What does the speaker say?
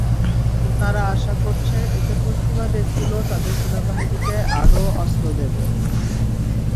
তারা আশা করছে, এতে পশ্চিমা দেশগুলো তাদের সেনাবাহিনীকে আরও অস্ত্র দেবে।